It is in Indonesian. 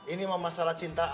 ini mah masalah cinta